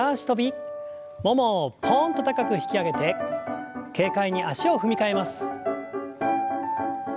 ももをポンと高く引き上げて軽快に足を踏み替えます。